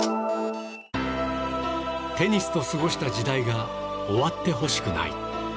テニスと過ごした時代が終わってほしくない。